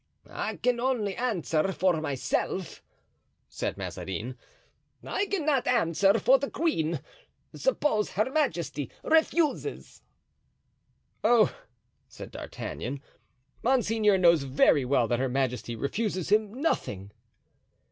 "I can answer only for myself," said Mazarin. "I cannot answer for the queen. Suppose her majesty refuses?" "Oh!" said D'Artagnan, "monseigneur knows very well that her majesty refuses him nothing."